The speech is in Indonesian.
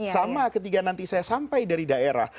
sama ketika nanti saya sampai dari daerah